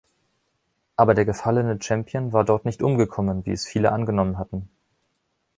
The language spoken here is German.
Aber der gefallene Champion war dort nicht umgekommen, wie es viele angenommen hatten.